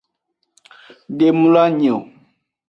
De mloanyi.